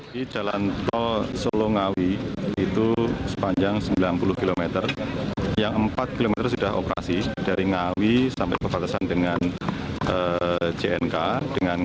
di jalan tol solongawi itu sepanjang sembilan puluh km yang empat km sudah operasi dari ngawi sampai perbatasan dengan cnk dengan